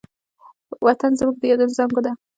وطن زموږ د یادونو زانګو ده.